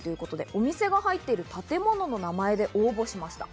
お店が入っている建物の名前で応募しました。